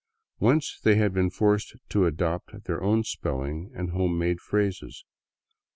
Whence they had been forced to adopt their own spelling and home made phrases.